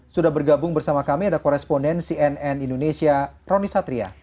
sudah bergabung bersama kami ada koresponden cnn indonesia roni satria